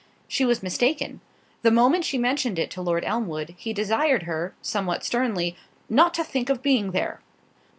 She was mistaken—the moment she mentioned it to Lord Elmwood, he desired her, somewhat sternly, "Not to think of being there."